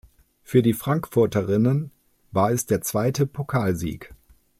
Für die Frankfurterinnen war es der zweite Pokalsieg.